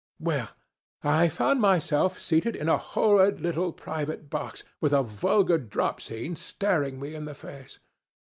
"Well, I found myself seated in a horrid little private box, with a vulgar drop scene staring me in the face.